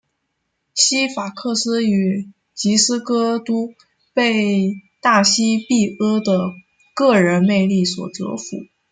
西法克斯与吉斯戈都被大西庇阿的个人魅力所折服。